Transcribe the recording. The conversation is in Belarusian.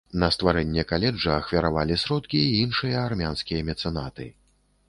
На стварэнне каледжа ахвяравалі сродкі і іншыя армянскія мецэнаты.